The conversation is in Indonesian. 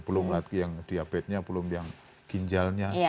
belum lagi yang diabetesnya belum yang ginjalnya